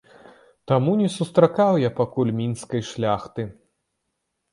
Таму не сустракаў я пакуль мінскай шляхты.